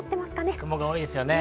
雲が多いですね。